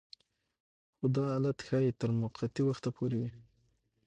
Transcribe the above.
خو دا حالت ښايي تر موقتي وخته پورې وي